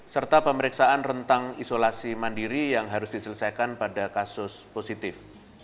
serta pemeriksaan rentang isolasi mandiri yang harus diselesaikan pada kasus positif